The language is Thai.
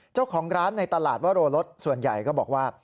เจ้าของร้านในตลาดวโรรสส่วนใหญ่ก็บอกว่า